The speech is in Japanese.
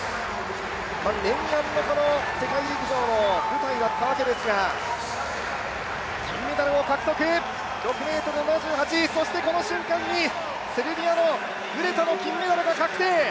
念願のこの世界陸上の舞台だったわけですが金メダルを獲得、６ｍ７８、そしてこの瞬間にセルビアのブレタの金メダルが確定。